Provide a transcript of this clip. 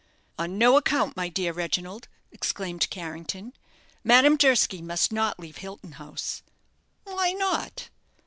"On no account, my dear Reginald!" exclaimed Carrington. "Madame Durski must not leave Hilton House." "Why not?"